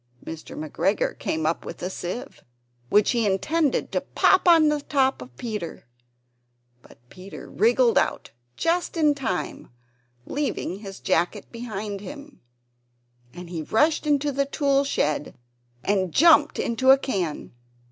Mr. McGregor came up with a sieve, which he intended to pop upon the top of Peter, but Peter wriggled out just in time, leaving his jacket behind him; and rushed into the tool shed, and jumped into a can.